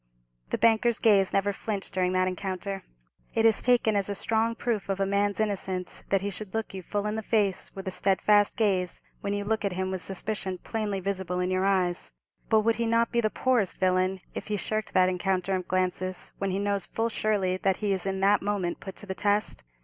The banker's gaze never flinched during that encounter. It is taken as a strong proof of a man's innocence that he should look you full in the face with a steadfast gaze when you look at him with suspicion plainly visible in your eyes; but would he not be the poorest villain if he shirked that encounter of glances when he knows full surely that he is in that moment put to the test?